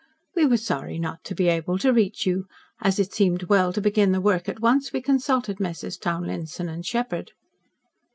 "We were sorry not to be able to reach you. As it seemed well to begin the work at once, we consulted Messrs. Townlinson & Sheppard."